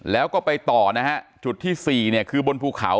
แล้วก็ไปต่อนะฮะจุดที่๔เนี่ยคือบนภูเขา